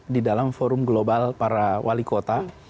di dalam forum global para wali kota